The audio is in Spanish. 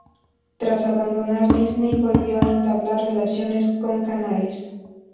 Tras abandonar Disney, volvió a entablar relaciones con Canales.